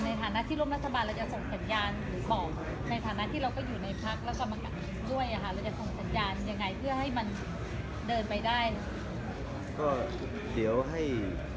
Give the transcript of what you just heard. ในฐานะที่ร่มรัฐบาลเราจะส่งกัญญาณหรือบ่อ